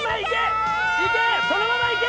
そのままいけ！